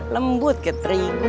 lembut ke terigu